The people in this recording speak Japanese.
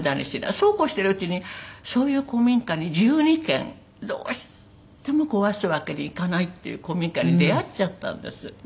そうこうしてるうちにそういう古民家に１２軒どうしても壊すわけにいかないっていう古民家に出会っちゃったんです。